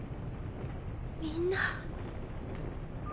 みんな。